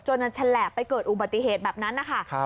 จนจะแฉลบไปเกิดอุบติเหตุแบบนั้นนะคะ